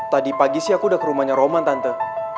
tadi pagi sih aku udah ke rumahnya roman tante